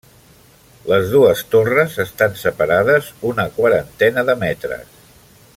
Les dues torres estan separades una quarantena de metres.